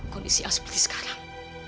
kondisi asli seperti sekarang